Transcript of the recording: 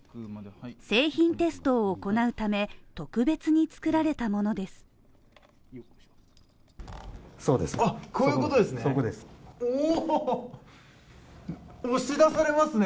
製品テストを行うため特別に作られたものですこういうことですね